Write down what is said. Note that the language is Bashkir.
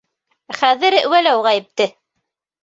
Хәҙер Вәләү ғәйепте!